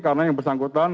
karena yang bersangkutan